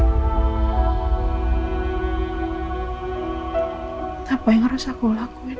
apa yang harus aku lakuin